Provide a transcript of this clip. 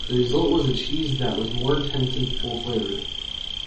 The result was a cheese that was more intense and full-flavoured.